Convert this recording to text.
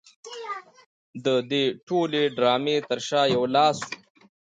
د دې ټولې ډرامې تر شا یو لاس و